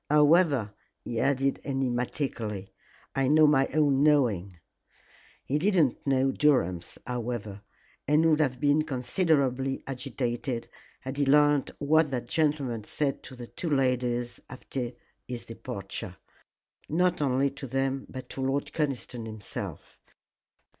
However," he added enigmatically, "I know my own knowing." He did not know Durham's, however, and would have been considerably agitated had he learned what that gentleman said to the two ladies after his departure. Not only to them but to Lord Conniston himself.